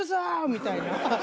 みたいな。